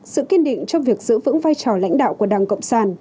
sự kiên định trong việc giữ vững vai trò lãnh đạo của đảng cộng sản